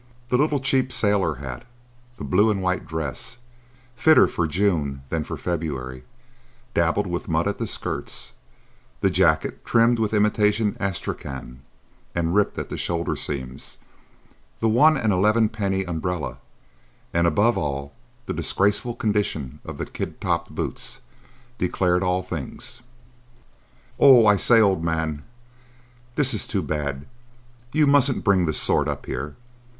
The little cheap sailor hat, the blue and white dress, fitter for June than for February, dabbled with mud at the skirts, the jacket trimmed with imitation Astrakhan and ripped at the shoulder seams, the one and elevenpenny umbrella, and, above all, the disgraceful condition of the kid topped boots, declared all things. "Oh, I say, old man, this is too bad! You mustn't bring this sort up here.